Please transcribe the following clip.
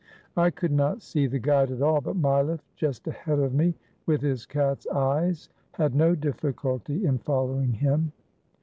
I could not see the guide at all, but Mileff, just ahead of me, with his cat's eyes, had no difficulty in following him.